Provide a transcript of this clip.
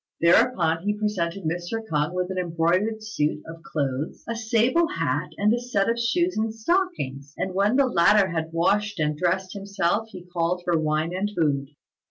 Thereupon, he presented Mr. K'ung with an embroidered suit of clothes, a sable hat, and a set of shoes and stockings; and when the latter had washed and dressed himself he called for wine and food.